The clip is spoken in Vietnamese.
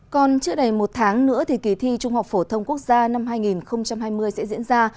còn chưa đầy một tháng nữa thì kỳ thi trung học phổ thông quốc gia năm hai nghìn hai mươi sẽ diễn ra